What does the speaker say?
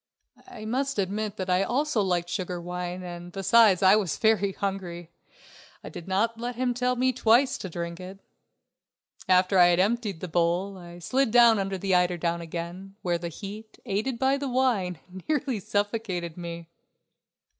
I must admit that I also liked sugared wine and besides I was very hungry. I did not let him tell me twice to drink it. After I had emptied the bowl I slid down under the eiderdown again, where the heat, aided by the wine, nearly suffocated me.